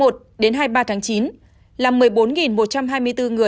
đến hai mươi ba tháng chín là một mươi bốn một trăm hai mươi bốn người